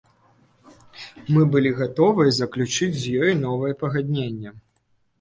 Мы былі гатовыя заключыць з ёй новае пагадненне.